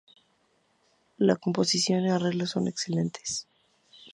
La composición y arreglos son excelentes.